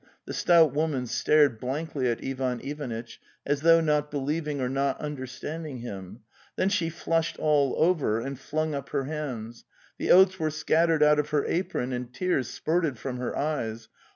'The stout woman stared blankly at Ivan Ivanitch, as though not believing or not understanding him, then she flushed all over, and flung up her hands; the oats were scattered out of her apron and tears spurted from her eyes.